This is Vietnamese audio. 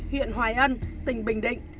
huyện hoài ân tỉnh bình định